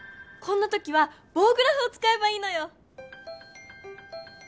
こんなときはぼうグラフを使えばいいのよ！